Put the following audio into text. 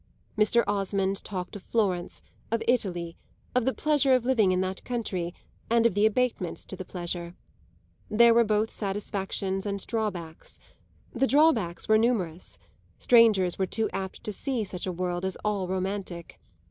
Mr. Osmond talked of Florence, of Italy, of the pleasure of living in that country and of the abatements to the pleasure. There were both satisfactions and drawbacks; the drawbacks were numerous; strangers were too apt to see such a world as all romantic.